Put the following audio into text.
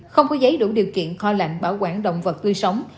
không có giấy đủ điều kiện kho lạnh bảo quản động vật tươi sống